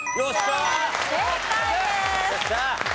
正解です。